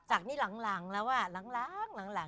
สักนี่หลังละว่า